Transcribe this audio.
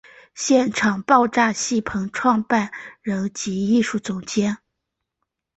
现为爆炸戏棚创办人及艺术总监。